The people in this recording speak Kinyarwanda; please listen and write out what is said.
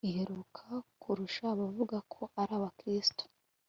iheruka kurusha abavuga ko ari Abakristo